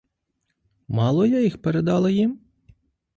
Мало я їх передала їм?